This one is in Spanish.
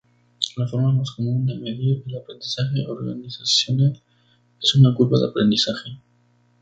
La forma más común de medir el aprendizaje organizacional es una curva de aprendizaje.